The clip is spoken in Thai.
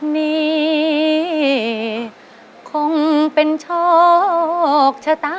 นี่คงเป็นโชคชะตา